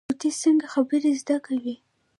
طوطي څنګه خبرې زده کوي؟